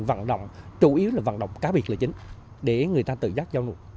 vận động chủ yếu là vận động cá biệt là chính để người ta tự giác giao nộp